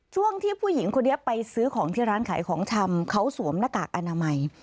ช่วงที่ผู้หญิงคนนี้ไปซื้อของที่ร้านขายของชำเขาสวมหน้ากากอนามัย